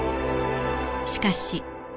しかし。